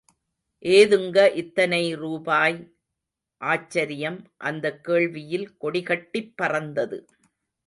ஏதுங்க இத்தனை ரூபாய்? ஆச்சரியம் அந்தக் கேள்வியில் கொடி கட்டிப் பறந்தது.